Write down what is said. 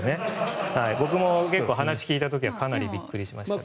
僕も結構話を聞いた時はびっくりしました。